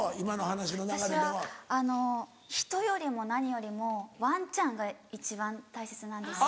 私はあの人よりも何よりもワンちゃんが一番大切なんです。